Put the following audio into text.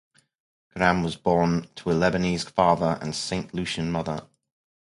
Karam was born to a Lebanese father and a Saint Lucian mother.